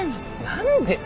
何で。